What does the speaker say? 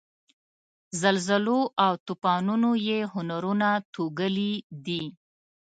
زلزلو او توپانونو یې هنرونه توږلي دي.